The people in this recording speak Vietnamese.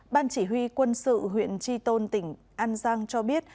ban chỉ huy quân sự huyện tri tôn tỉnh an giang cho biết